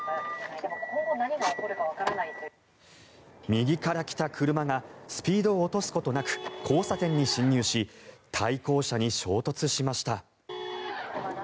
右から来た車がスピードを落とすことなく交差点に進入し対向車に衝突しました。